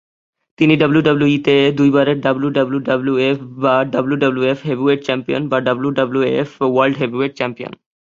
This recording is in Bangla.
তিনি ডাব্লিউডাব্লিউইতে দুই বারের WWWF WWF heavyweight champion WWF world heavyweight champion.